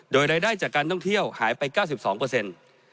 โดยรายได้จากการท่องเที่ยวหายไป๙๒เปอร์เซ็นต์